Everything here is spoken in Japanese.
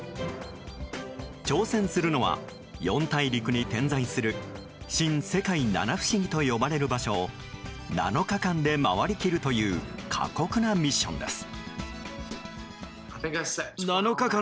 挑戦するのは、４大陸に点在する新・世界七不思議と呼ばれる場所を７日間で回りきるという過酷なミッションです。